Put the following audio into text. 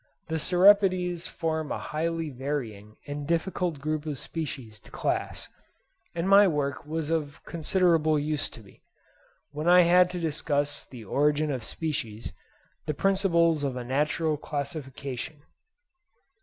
The Cirripedes form a highly varying and difficult group of species to class; and my work was of considerable use to me, when I had to discuss in the 'Origin of Species' the principles of a natural classification.